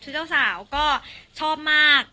ชุดเด้าสาวก็ชอบมาก